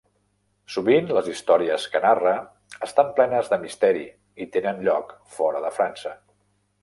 Sovint les històries que narra estan plenes de misteri i tenen lloc fora de França.